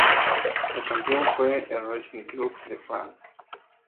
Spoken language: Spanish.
El campeón fue el Racing Club de France.